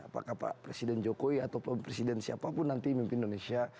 apakah pak presiden jokowi ataupun presiden siapapun nanti mimpin indonesia